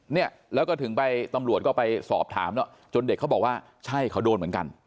เนี่ยแล้วก็ถึงไปตำรวจก็ไปสอบถามแล้วจนเด็กเขาบอกว่าใช่เขาโดนเหมือนกัน